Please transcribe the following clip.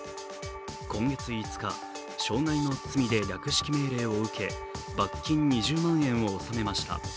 今月５日、傷害の罪で略式命令を受け、罰金２０万円を納めました。